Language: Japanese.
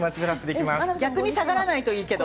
逆に下がらないといいけど。